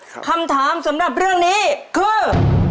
คุณพ่อจ๋าคำถามสำหรับเรื่องนี้คือ